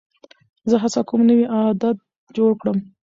زه هڅه کوم نوی عادت جوړ کړم.